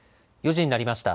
４時になりました。